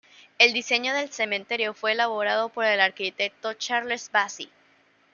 El diseño del cementerio fue elaborado por el arquitecto Charles Bassi.